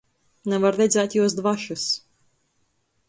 Navar redzēt juos dvašys.